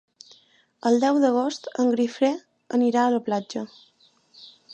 El deu d'agost en Guifré anirà a la platja.